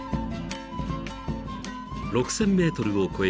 ［６，０００ｍを超える険しい